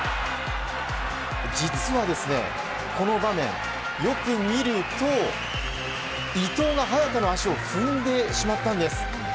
実はこの場面、よく見ると伊藤が早田の足を踏んでしまったんです。